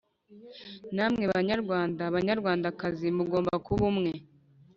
namwe banyarwanda, banyarwakazi mugomba kuba umwe